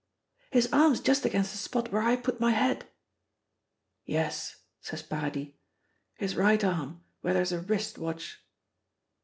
"His arm's just against the spot where I put my head." "Yes," says Paradis, "his right arm, where there's a wrist watch."